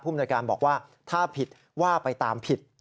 มนวยการบอกว่าถ้าผิดว่าไปตามผิด